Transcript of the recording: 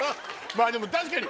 まぁでも確かに。